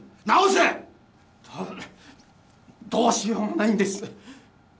どうしようもないんです。